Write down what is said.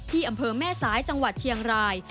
อำเภอแม่สายจังหวัดเชียงราย